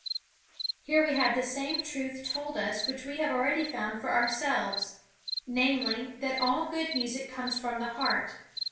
Here we have the same truth told us which we have already found for ourselves, namely, that all good music comes from the heart.